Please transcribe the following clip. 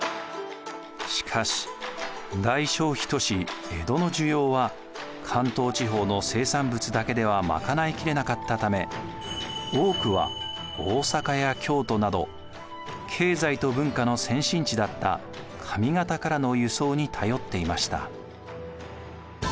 しかし大消費都市江戸の需要は関東地方の生産物だけでは賄いきれなかったため多くは大坂や京都など経済と文化の先進地だった上方からの輸送に頼っていました。